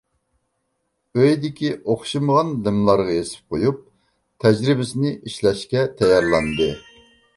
ئۆيدىكى ئوخشىمىغان لىملارغا ئېسىپ قويۇپ، تەجرىبىسىنى ئىشلەشكە تەييارلاندى.